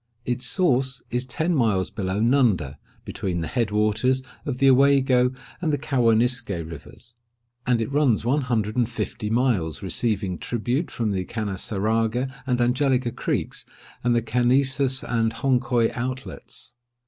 Its source is ten miles below Nunda, between the head waters of the Owago and the Cawanisque rivers; and it runs one hundred and fifty miles, receiving tribute from the Canassaraga and Angelica creeks, and the Canesus and Honcoye outlets.